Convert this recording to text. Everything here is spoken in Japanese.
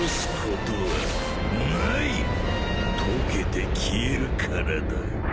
溶けて消えるからだ。